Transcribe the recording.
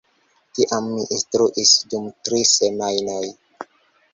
Tiam mi instruis dum tri semajnoj.